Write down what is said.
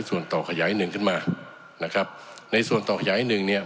ส่วนต่อขยายหนึ่งขึ้นมานะครับในส่วนต่อขยายหนึ่งเนี่ย